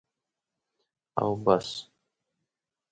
او بس.